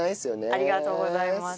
ありがとうございます。